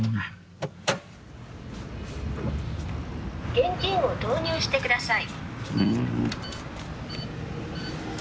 現金を投入してください。